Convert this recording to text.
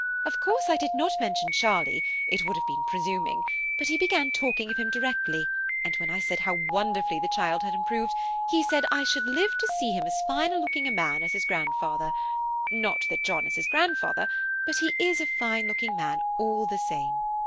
"Of course I did not mention Charlie–it would have been presuming; but he began talking of him directly, and when I said how wonderfully the child had improved, he said I should live to see him as fine a looking man as his grandfather; not that John is his grandfather, but he is a fine looking man all the same.